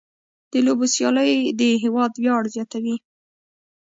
د لوبو سیالۍ د هېواد ویاړ زیاتوي.